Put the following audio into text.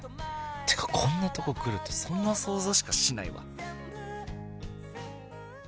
てか、こんなとこ来ると、そんな想像しかしないわ。